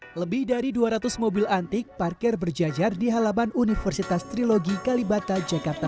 hai lebih dari dua ratus mobil antik parkir berjajar di halaman universitas trilogi kalibata jakarta